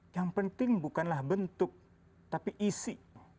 yang penting bukanlah bentuk tapi isi